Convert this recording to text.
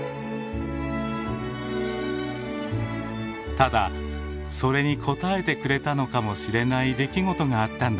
ただそれに答えてくれたのかもしれない出来事があったんだよ。